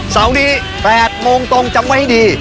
เสาร์นี้๘โมงตรงจำไว้ให้ดี